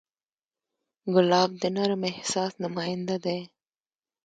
ګلاب د نرم احساس نماینده دی.